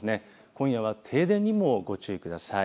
今夜は停電にもご注意ください。